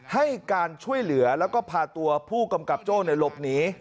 ให้การช่วยเหลือแล้วก็พาตัวผู้กำกับโจ้หลบหนี